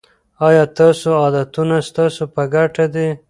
آیا ستاسو عادتونه ستاسو په ګټه دي.